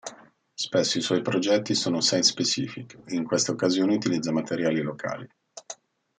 Spesso i suoi progetti sono "site specific" e in queste occasioni utilizza materiali locali.